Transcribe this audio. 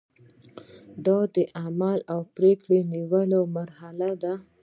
دا د عمل او پریکړې نیولو مرحله ده.